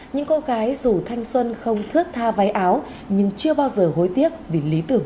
những cô gái dù thanh xuân không thước tha váy áo nhưng chưa bao giờ hối tiếc vì lý tưởng